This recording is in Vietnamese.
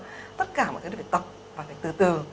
và tất cả mọi thứ nó phải tập và phải từ từ